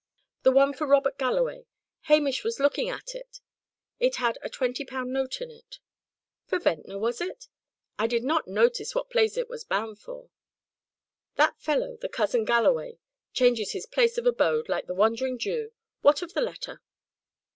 "The one for Robert Galloway. Hamish was looking at it. It had a twenty pound note in it." "For Ventnor, was it? I did not notice what place it was bound for. That fellow, the cousin Galloway, changes his place of abode like the Wandering Jew. What of the letter?"